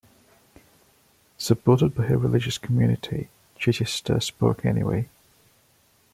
Supported by her religious community, Chittister spoke anyway.